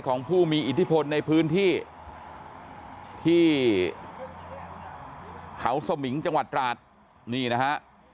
ของผู้มีอิทธิพลในพื้นที่ที่เขาสมิงจังหวัดตราดนี่นะฮะ